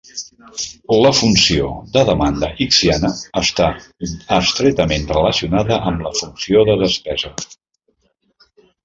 La funció de demanda Hicksiana està estretament relacionada amb la funció de despesa.